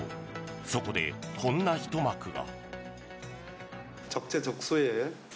そこで、こんなひと幕が。